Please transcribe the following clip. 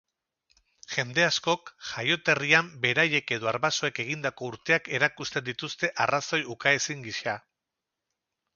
Jende askok jaioterrian beraiek edo arbasoek egindako urteak erakusten dituzte arrazoi ukaezin gisa.